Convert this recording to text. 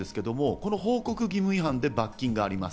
この報告義務違反で罰金があります。